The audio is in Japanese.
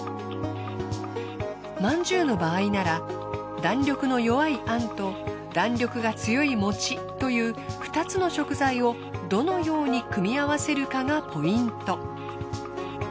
饅頭の場合なら弾力の弱いあんと弾力が強いもちという２つの食材をどのように組み合わせるかがポイント。